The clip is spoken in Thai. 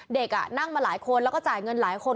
เด็กนั่งมาหลายคนแล้วก็จ่ายเงินหลายคน